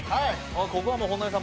ここはもう本並さん